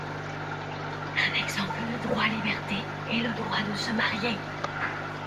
Un exemple de droit-liberté est le droit de se marier.